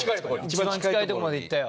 一番近いとこまで行ったよ。